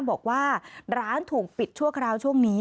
บอกว่าร้านถูกปิดชั่วคราวช่วงนี้